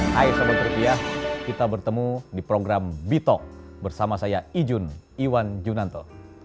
hai sobat rupiah kita bertemu di program bitok bersama saya ijun iwan junanto